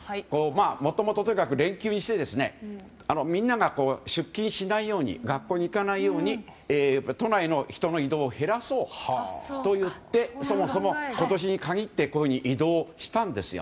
もともと連休にしてみんなが出勤しないように学校に行かないように都内の人の移動を減らそうといってそもそも今年に限ってこういうふうに移動したんですよ。